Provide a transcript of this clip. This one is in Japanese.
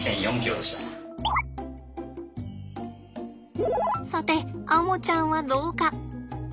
さてアモちゃんはどうか。